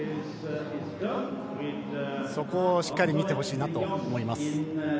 そこをしっかり見てほしいなと思います。